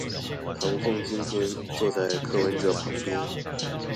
唐鳳今天坐在柯文哲旁邊